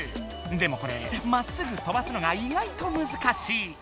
でもこれまっすぐ飛ばすのが意外とむずかしい。